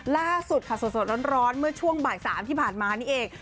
ล่าสุดค่ะสดร้อนเมื่อช่วงบ่าย๓ที่ผ่านมานี่เอง